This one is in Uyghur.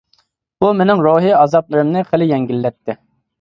بۇ مېنىڭ روھىي ئازابلىرىمنى خېلى يەڭگىللەتتى.